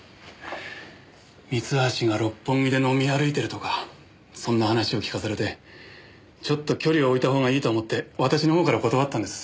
三橋が六本木で飲み歩いてるとかそんな話を聞かされてちょっと距離を置いた方がいいと思って私の方から断ったんです。